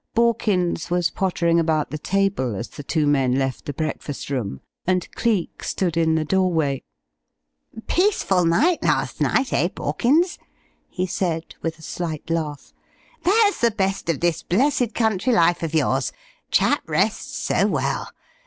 Borkins was pottering about the table as the two men left the breakfast room, and Cleek stood in the doorway. "Peaceful night, last night, eh, Borkins?" he said with a slight laugh. "That's the best of this blessed country life of yours. Chap rests so well.